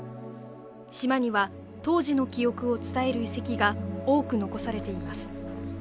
島には、当時の記憶を伝える遺跡が多く残されています。